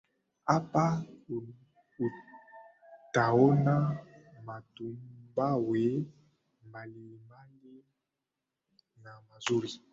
Hapa utaona matumbawe mbalimbali na mazuri